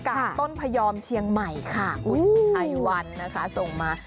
ต้นพยอมเชียงใหม่ค่ะคุณภัยวันนะคะส่งมา